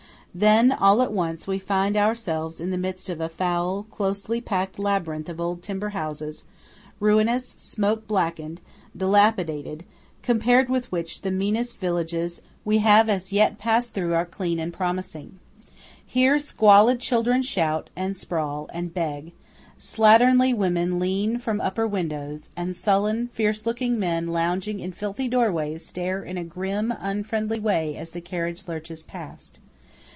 Then, all at once, we find ourselves in the midst of a foul, closely packed labyrinth of old timber houses, ruinous, smoke blackened, dilapidated, compared with which the meanest villages we have as yet passed through are clean and promising. Here squalid children shout, and sprawl, and beg; slatternly women lean from upper windows; and sullen, fierce looking men lounging in filthy doorways stare in a grim unfriendly way as the carriage lurches past.